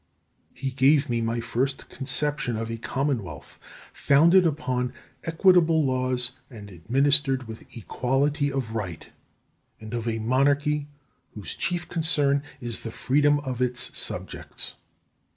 He gave me my first conception of a Commonwealth founded upon equitable laws and administered with equality of right; and of a Monarchy whose chief concern is the freedom of its subjects.